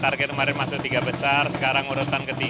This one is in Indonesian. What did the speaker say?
target kemarin masuk tiga besar sekarang urutan ke tiga